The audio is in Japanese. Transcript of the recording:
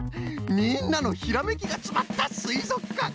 みんなのひらめきがつまったすいぞくかん。